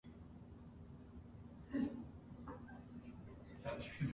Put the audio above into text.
What little is known of Meton come through ancient historians.